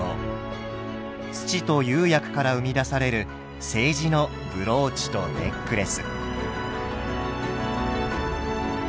土と釉薬から生み出される青磁のブローチとネックレス。